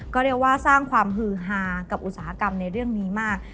ก็เรียกว่าสร้างความฮือฮากับอุตสาหกรรมในเรื่องนี้มาก